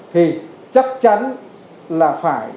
thì chắc chắn là phải